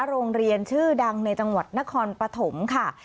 โรงเรียนชื่อดังในจังหวัดนครปฐมค่ะ